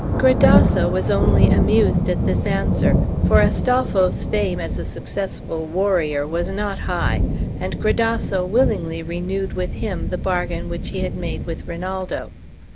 Gradasso was only amused at this answer, for Astolpho's fame as a successful warrior was not high, and Gradasso willingly renewed with him the bargain which he had made with Rinaldo.